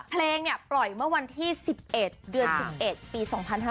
เพลงปล่อยเมื่อวันที่๑๑เดือน๑๑ปี๒๕๕๙